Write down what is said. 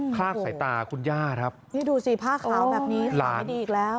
ลากสายตาคุณย่าครับนี่ดูสิผ้าขาวแบบนี้หลายดีอีกแล้ว